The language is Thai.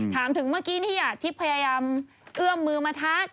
ถามถึงเมื่อกี้ที่พยายามเอื้อมมือมาทัก